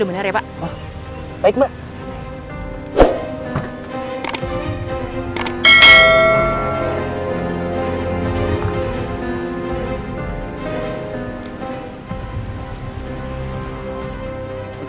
di mana p medal pemesanan ini